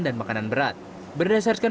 dan makanan berat berdasarkan